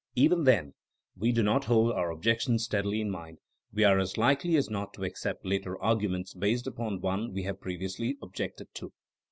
Even then we do not hold our objections steadily in mind ; we are as likely as not to accept later arguments based upon one we have previously objected to.